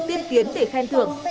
tiên tiến để khen thưởng